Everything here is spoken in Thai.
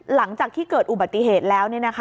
หลังจากที่เกิดอุบัติเหตุแล้ว